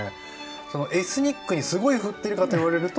そのエスニックにすごいふってるかと言われると。